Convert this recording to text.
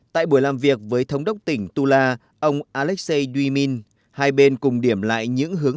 tại buổi làm việc với thống đốc tỉnh tula ông alexei duymin hai bên cùng điểm lại những hướng